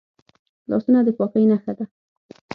لاسونه د پاکۍ نښه ده